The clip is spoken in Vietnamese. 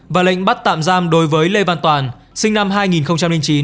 và lệnh bắt tạm giam đối với lê văn toàn sinh năm hai nghìn chín